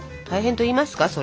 大変といいますか？